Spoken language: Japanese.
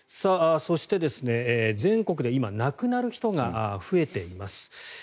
そして、全国で今、亡くなる人が増えています。